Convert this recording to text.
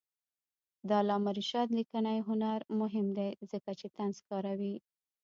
د علامه رشاد لیکنی هنر مهم دی ځکه چې طنز کاروي.